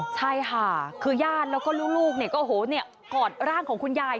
ใช่ค่ะคือญาติแล้วก็ลูกก็กอดร่างของคุณยาย